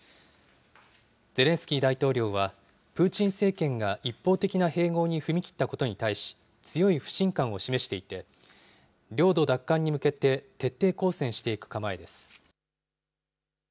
ゼレンスキー大統領は、プーチン政権が一方的な併合に踏み切ったことに対し、強い不信感を示していて、領土奪還に向けて徹底抗戦していく構えです。